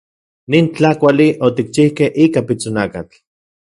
Nin tlakuali otikchijkej ika pitsonakatl.